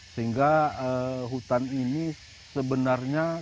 sehingga hutan ini sebenarnya